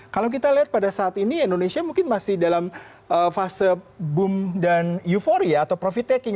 kalau kita lihat pada saat ini indonesia mungkin masih dalam fase boom dan euforia atau profit taking